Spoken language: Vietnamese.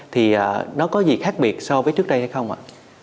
thì nó có gì khác biệt so với trước đây hay không ạ